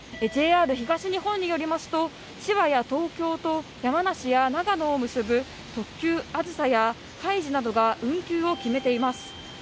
ＪＲ東日本によりますと、千葉や東京と茨城や長野をつなぐ特急あずさやかいじなどが運休を決めています。